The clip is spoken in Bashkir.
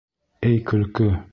Эй, көлкө!